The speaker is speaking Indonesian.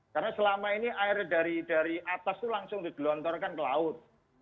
karena selama ini air dari atas itu langsung dilontarkan ke laut